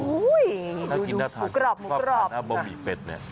อุ้ยน่ากินน่าทานนี่บ่มหมี่เป็ดใน